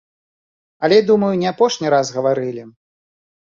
Але, думаю, не апошні раз гаварылі!